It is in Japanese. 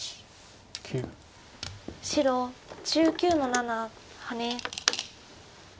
白１９の七ハネ。